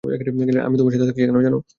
আমি তোমার সাথে থাকছি, কেন জানো!